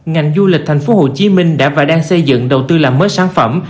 ngành du lịch tp hcm đã và đang xây dựng đầu tư làm mới sản phẩm